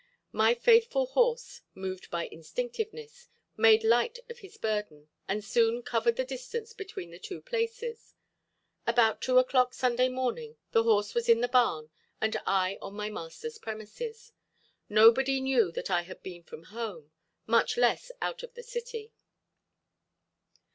My faithful horse, moved by instinctiveness, made light of his burden and soon covered the distance between the two places. About two o'clock Sunday morning the horse was in the barn and I on my master's premises. Nobody knew that I had been from home, much less out of the city.